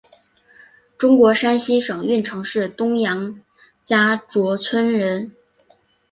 中国山西省运城市东杨家卓村人。